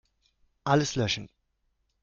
Alles löschen.